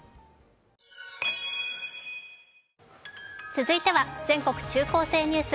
続いては、「全国！中高生ニュース」。